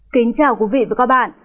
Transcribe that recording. kính chào quý vị và các bạn